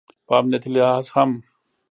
په امنیتي لحاظ هم